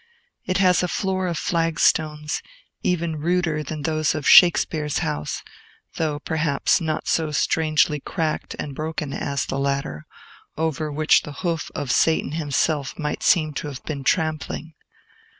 It has a floor of flag stones, even ruder than those of Shakespeare's house, though, perhaps, not so strangely cracked and broken as the latter, over which the hoof of Satan himself might seem to have been trampling.